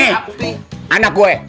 nih anak gue